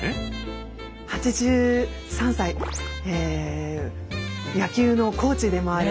８３歳野球のコーチでもある。